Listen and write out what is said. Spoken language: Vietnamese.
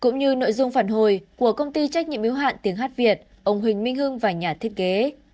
phản hồi của công ty trách nhiệm yêu hạn tiếng hát việt ông huỳnh minh hưng và nhà thiết kế